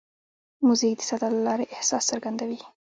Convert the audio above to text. موزیک د صدا له لارې احساس څرګندوي.